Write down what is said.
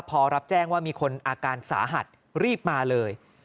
พอรับแจ้งว่ามีคนอาการสาหัสรีบมาเลย